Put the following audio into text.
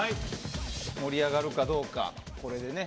盛り上がるかどうか、これでね。